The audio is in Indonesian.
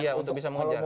iya untuk bisa mengejar